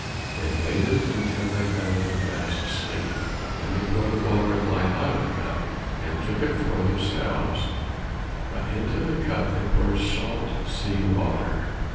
They waited until they found him fast asleep, then they poured the water of life out of the cup, and took it for themselves, but into the cup they poured salt sea water.